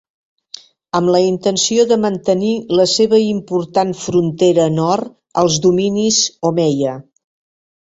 Amb la intenció de mantenir la seva important frontera nord als dominis Omeia.